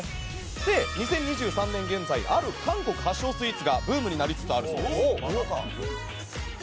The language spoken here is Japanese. ２０２３年現在ある韓国発祥スイーツがブームになりつつあるそうです。